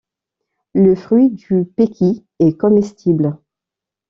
Le fruit du Péqui est comestible.